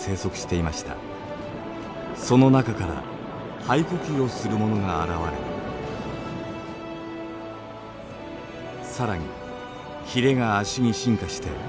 その中から肺呼吸をするものが現れ更にひれが足に進化して陸上に進出。